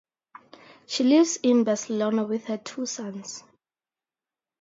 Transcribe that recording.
She lives in Barcelona with her two sons.